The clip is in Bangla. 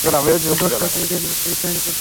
দশটা পেইজে না তুই সাইন করেছিস?